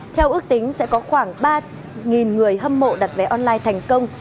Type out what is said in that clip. theo ước tính sẽ có khoảng ba người hâm mộ đặt vé online thành công